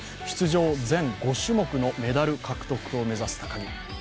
出場全５種目のメダル獲得を目指す高木。